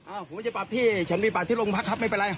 ผมจะปรับที่ฉันไปปรับที่โรงพักครับไม่เป็นไร